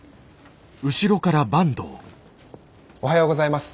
おはようございます。